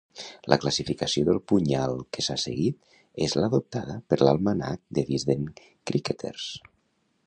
La classificació del punyal que s'ha seguit és l'adoptada per "L'almanac de Wisden Cricketers."